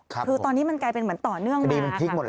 คือตอนนี้มันกลายเป็นเหมือนต่อเนื่องไหม